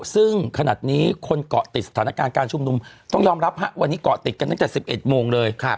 ซึ่งขนาดนี้คนเกาะติดสถานการณ์การชุมนุมต้องยอมรับวันนี้เกาะติดกันตั้งแต่๑๑โมงเลย